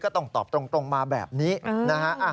ต้องตอบตรงมาแบบนี้นะฮะ